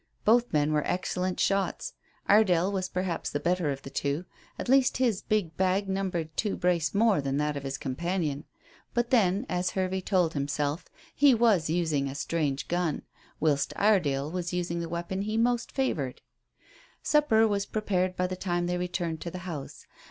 Both men were excellent shots. Iredale was perhaps the better of the two, at least his bag numbered two brace more than that of his companion; but then, as Hervey told himself, he was using a strange gun, whilst Iredale was using the weapon he most favoured. Supper was prepared by the time they returned to the house.